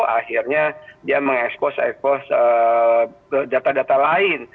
akhirnya dia mengekspos ekspos data data lain